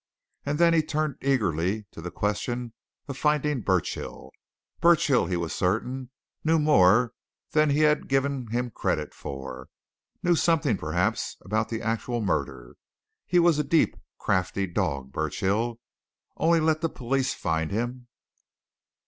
And then he turned eagerly to the question of finding Burchill. Burchill, he was certain, knew more than he had given him credit for, knew something, perhaps, about the actual murder. He was a deep, crafty dog, Burchill only let the police find him!